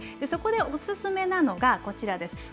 そこでお勧めなのがこちらです。